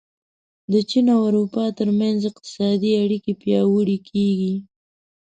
د چین او اروپا ترمنځ اقتصادي اړیکې پیاوړې کېږي.